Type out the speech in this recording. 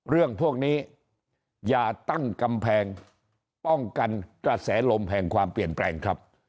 เรื่องพวกนี้อย่าตั้งกำแพงป้องกันกระแสลมแห่งความเปลี่ยนแปลงครับ